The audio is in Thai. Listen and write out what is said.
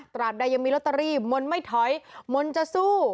ตราบใดยังมีลอตเตอรี่มนต์ไม่ถอยมนต์จะสู้